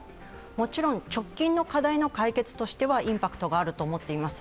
もちろん直近の課題の解決としてはインパクトがあると思っています。